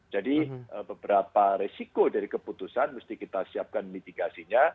jadi beberapa resiko dari keputusan mesti kita siapkan mitigasinya